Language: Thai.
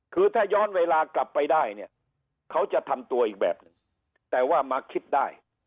คือถ้าย้อนเวลากลับไปได้เนี่ยเขาจะทำตัวอีกแบบหนึ่งแต่ว่ามาคิดได้